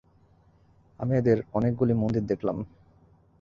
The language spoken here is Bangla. আমি এদের অনেকগুলি মন্দির দেখলাম।